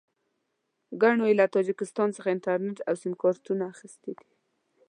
ګڼو یې له تاجکستان څخه انټرنېټ او سیم کارټونه اخیستي دي.